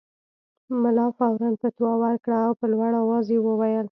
ملا فوراً فتوی ورکړه او په لوړ اواز یې وویل.